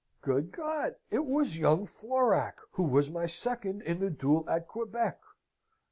"Good God! It was young Florac, who was my second in the duel at Quebec.